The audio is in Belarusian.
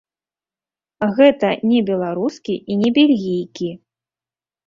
Гэта не беларускі і не бельгійкі.